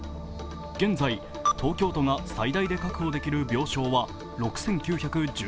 現在、東京都が最大で確保できる病床は６９２９床。